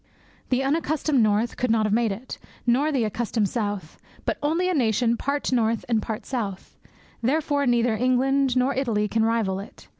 The unaccustomed north could not have made it, nor the accustomed south, but only a nation part north and part south; therefore neither England nor Italy can rival it.